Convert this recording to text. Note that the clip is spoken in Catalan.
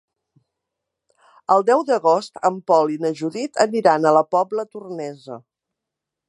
El deu d'agost en Pol i na Judit aniran a la Pobla Tornesa.